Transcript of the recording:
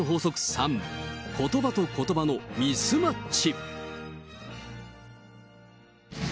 ３、ことばとことばのミスマッチ。